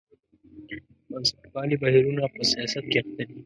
بنسټپالي بهیرونه په سیاست کې اخته دي.